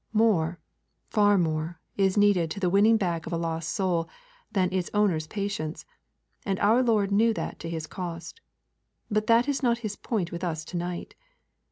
More, far more, is needed to the winning back of a lost soul than its owner's patience, and our Lord knew that to His cost. But that is not His point with us to night.